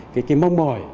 cái mong mỏi